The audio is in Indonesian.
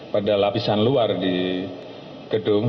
pada lapisan luar di gedung